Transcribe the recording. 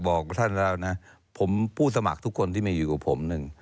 บอกท่านแล้วนะผมผู้สมัครทุกคนที่มีอยู่กับผมหนึ่ง